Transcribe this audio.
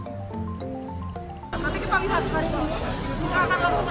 kita lihat dari pemiliknya